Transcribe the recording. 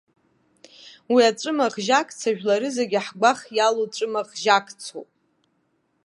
Уи аҵәымаӷ жьакца жәлары зегьы ҳгәах иалоу ҵәымаӷ жьакцоуп.